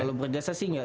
kalau berjasa sih nggak